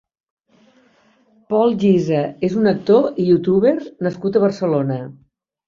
Pol Gise és un actor i youtuber nascut a Barcelona.